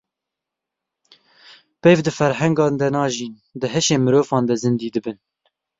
Peyv di ferhengan de najîn, di hişê mirovan de zindî dibin.